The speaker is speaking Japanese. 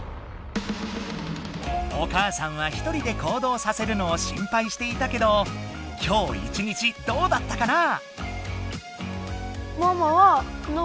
お母さんは１人で行動させるのを心配していたけど今日一日どうだったかな？